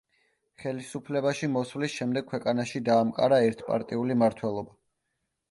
ხელისუფლებაში მოსვლის შემდეგ ქვეყანაში დაამყარა ერთპარტიული მმართველობა.